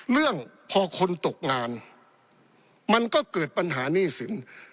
เรื่องพอคนตกงานมันก็เกิดปัญหาหนี้สิน